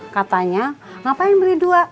katanya ngapain beli dua